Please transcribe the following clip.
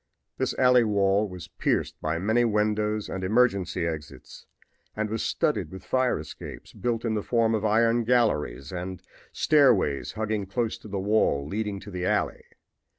This alley wall was pierced by many windows and emergency exits and was studded with fire escapes built in the form of iron galleries, and stairways hugging close to the wall leading to the alley.